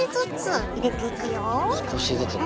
少しずつね。